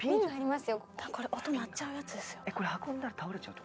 これ音鳴っちゃうやつですよ。